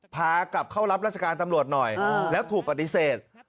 พากลับเข้ารับราชการตำรวจหน่อยแล้วถูกปฏิเสธ